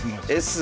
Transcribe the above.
Ｓ。